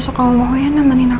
waktunya udah gak ada peristiwa